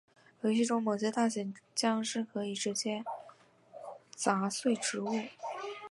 游戏中某些大型僵尸可以直接砸碎植物。